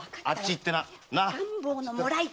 あっち行ってろ！